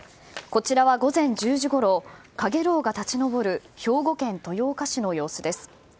こちらは午前１０時ごろ、陽炎が立ち上る兵庫県豊岡市の様子です。